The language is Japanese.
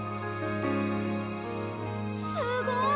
すごい。